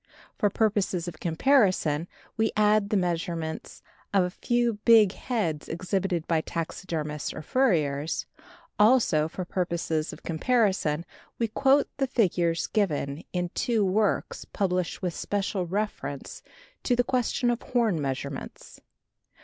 For purposes of comparison we add the measurements of a few big heads exhibited by taxidermists or furriers; also for purposes of comparison we quote the figures given in two works published with special reference to the question of horn measurements.